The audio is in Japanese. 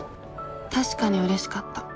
確かにうれしかった。